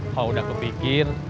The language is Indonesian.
kalau udah kepikir